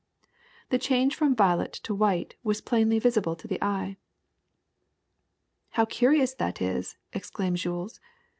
The change from violet to white was plainly visible to the eye. ^^How curious that is!" exclaimed Jules.